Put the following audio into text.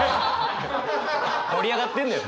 盛り上がってんのよ！